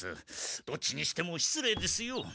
どっちにしてもしつれいですよ。